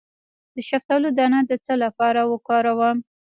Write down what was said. د شفتالو دانه د څه لپاره وکاروم؟